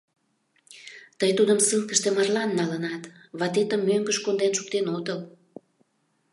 Тый тудым ссылкыште марлан налынат, ватетым мӧҥгыш конден шуктен отыл...